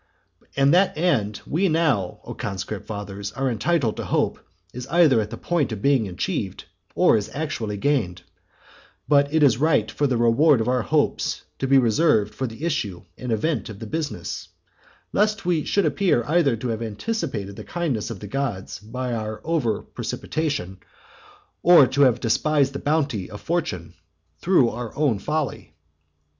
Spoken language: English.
And that end we now, O conscript fathers, are entitled to hope is either at the point of being achieved, or is actually gained, but it is right for the reward of our hopes to be reserved for the issue and event of the business, lest we should appear either to have anticipated the kindness of the gods by our over precipitation, or to have despised the bounty of fortune through our own folly.